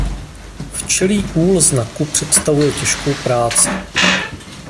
Včelí úl znaku představuje těžkou práci.